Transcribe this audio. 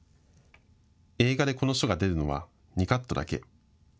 映画でこの書が出るのは２カットだけ。